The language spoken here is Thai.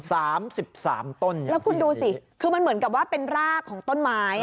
สามสิบสามต้นแล้วคุณดูสิคือมันเหมือนกับว่าเป็นรากของต้นไม้อ่ะ